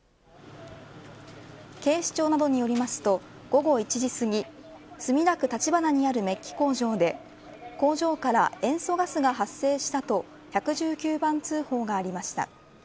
警視庁などによりますと午後１時すぎ墨田区立花にあるメッキ工場で工場から塩素ガスが発生したと１１９番通報がありました。